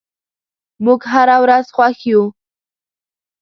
موږ هره ورځ خوښ یو.